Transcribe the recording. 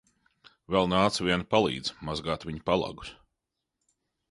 Vēl nāca viena palīdze mazgāt viņa palagus.